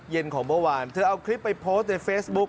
ของเมื่อวานเธอเอาคลิปไปโพสต์ในเฟซบุ๊ค